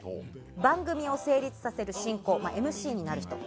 番組を成立させる進行ＭＣになるひと。